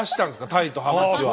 タイとハマチは。